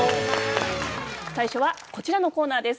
最初はこちらのコーナーです。